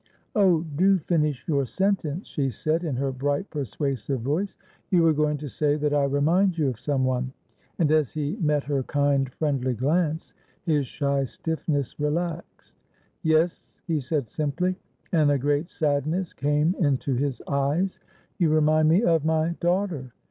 "Oh, do finish your sentence!" she said, in her bright persuasive voice. "You were going to say that I remind you of someone?" and as he met her kind friendly glance, his shy stiffness relaxed. "Yes," he said, simply, and a great sadness came into his eyes, "you remind me of my daughter.